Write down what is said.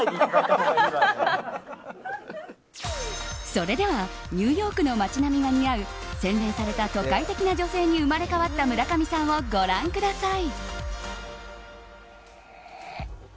それではニューヨークの街並みが似合う洗礼された都会的な女性に生まれ変わった村上さんをご覧ください。